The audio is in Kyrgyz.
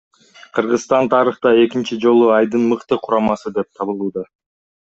Кыргызстан тарыхта экинчи жолу айдын мыкты курамасы деп табылууда.